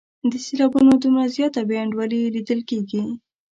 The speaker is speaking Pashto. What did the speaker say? د سېلابونو دومره زیاته بې انډولي لیدل کیږي.